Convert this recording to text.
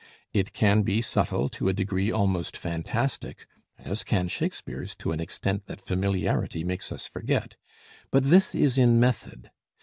It can be subtile to a degree almost fantastic (as can Shakespeare's to an extent that familiarity makes us forget); but this is in method.